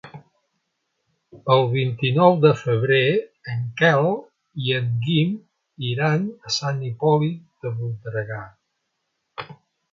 El vint-i-nou de febrer en Quel i en Guim iran a Sant Hipòlit de Voltregà.